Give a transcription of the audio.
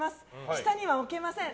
下には置けません。